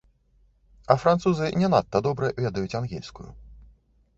А французы не надта добра ведаюць ангельскую.